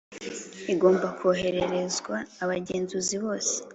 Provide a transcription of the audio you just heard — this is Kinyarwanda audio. Igomba kohererezwa abagenzuzi bose